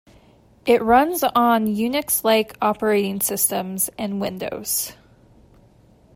It runs on Unix-like operating systems and Windows.